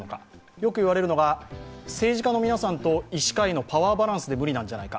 よく言われるのが政治家の皆さんと医師会のパワーバランスで駄目なんじゃないか。